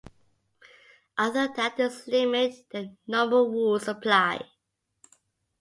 Other than this limit the normal rules apply.